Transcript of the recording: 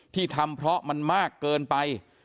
ที่ทำเพราะมันมากเกินไป